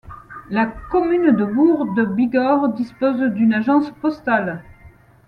La commune de Bourg-de-Bigorre dispose d'une agence postale.